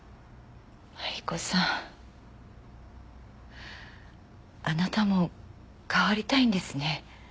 マリコさんあなたも変わりたいんですね。